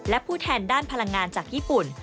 และผู้แทนด้านพลังงานจากญี่ปุ่น